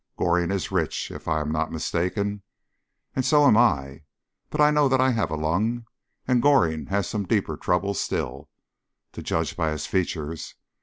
Goring is rich, if I am not mistaken, and so am I; but I know that I have a lung, and Goring has some deeper trouble still, to judge by his features.